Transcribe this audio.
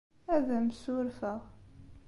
Ad am-ssurfeɣ.